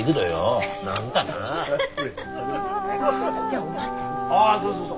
ああそうそう